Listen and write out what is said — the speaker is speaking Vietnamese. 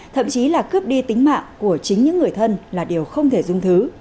thậm chí là cướp đi tính mạng của chính những người thân là điều không thể dung thứ